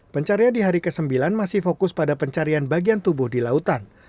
pencarian di hari ke sembilan masih fokus pada pencarian bagian tubuh di lautan